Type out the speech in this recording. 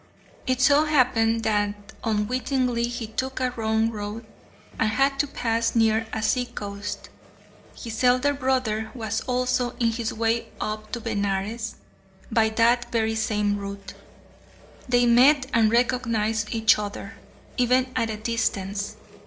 It so happened that unwittingly he took a wrong road, and had to pass near a sea coast. His elder brother was also on his way up to Benares by that very same route. They met and recognised each other, even at a distance.